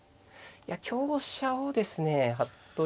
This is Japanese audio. いや香車をですね服部